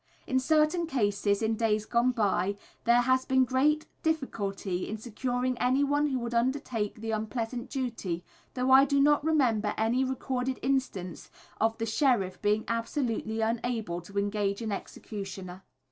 In certain cases, in days gone by, there has been very great difficulty in securing anyone who would undertake the unpleasant duty, though I do not remember any recorded instance of the Sheriff being absolutely unable to engage an executioner.